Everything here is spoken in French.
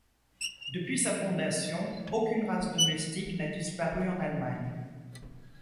Depuis sa fondation, aucune race domestique n'a disparu en Allemagne.